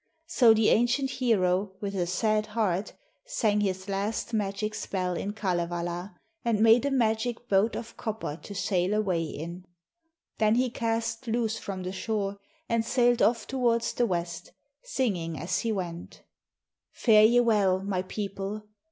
So the ancient hero, with a sad heart, sang his last magic spell in Kalevala, and made a magic boat of copper to sail away in. Then he cast loose from the shore and sailed off towards the west, singing as he went: 'Fare ye well, my people.